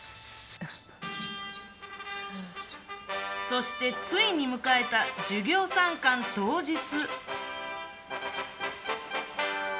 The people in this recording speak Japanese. そして、ついに迎えた授業参観当日。